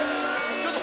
ちょっと！